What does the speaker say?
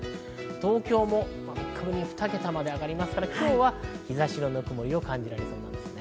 東京も３日ぶりに２桁まで上がりますから、今日は日差しのぬくもりを感じられそうです。